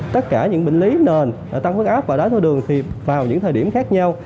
tất cả những bệnh lý nền tăng huyết áp và đái tháo đường thì vào những thời điểm khác nhau